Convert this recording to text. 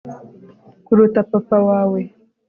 kuruta papa wawe